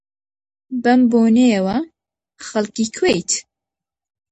بەم بۆنەیەوە، خەڵکی کوێیت؟